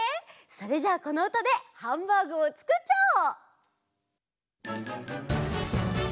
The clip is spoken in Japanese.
それじゃあこのうたでハンバーグをつくっちゃおう！